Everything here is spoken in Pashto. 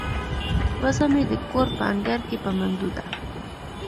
وزه مې د کور په انګړ کې په منډو ده.